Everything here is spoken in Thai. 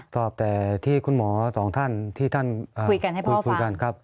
ตอบแต่ที่คุณหมอสองท่านที่ท่านคุยกันให้พูดคุยกันครับ